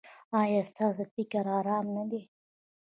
ایا ستاسو فکر ارام نه دی؟